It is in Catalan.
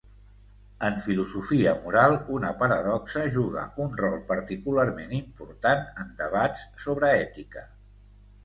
En filosofia moral una paradoxa juga un rol particularment important en debats sobre ètica.